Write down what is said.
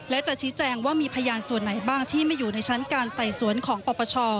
และจะชี้แจงว่ามีพยานส่วนไหนบ้างที่ไม่อยู่ในชั้นการไต่สวนของปปช